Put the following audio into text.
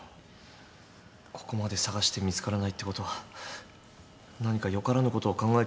ここまで捜して見つからないってことは何か良からぬことを考えてるんじゃ。